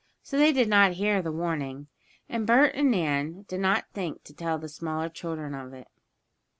So they did not hear the warning, and Bert and Nan did not think to tell the smaller children of it.